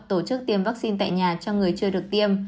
tổ chức tiêm vaccine tại nhà cho người chưa được tiêm